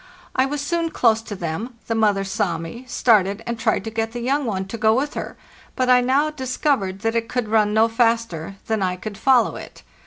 I was soon close to them, the mother saw me, started, and tried to get the young one to go with her; but I now discovered that it could run no faster than I could follow it.